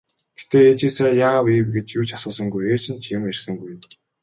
Гэхдээ ээжээсээ яав ийв гэж юу ч асуусангүй, ээж нь ч юм ярьсангүй.